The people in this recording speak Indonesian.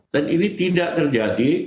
dan ini tidak terjadi